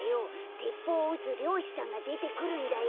てっぽうをうつりょうしさんがでてくるんだよ。